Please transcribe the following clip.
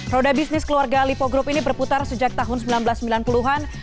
roda bisnis keluarga lipo group ini berputar sejak tahun seribu sembilan ratus sembilan puluh an